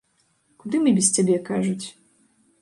Куды мы без цябе, кажуць?